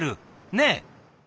ねえ！